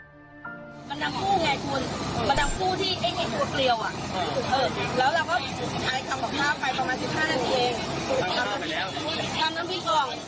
มันต่างผู้ไงทุนมันต่างผู้ที่ไอ้ไอ้ตัวเกลียว